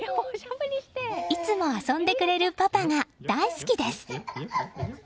いつも遊んでくれるパパが大好きです。